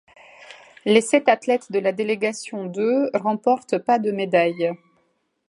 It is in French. Les sept athlètes de la délégation de remportent pas de médaille.